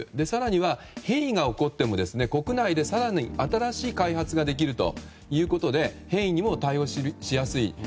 更には変異が起こっても国内で更に新しい開発ができるということで変異にも対応しやすい。